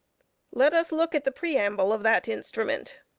Let us look at the Preamble of that instrument.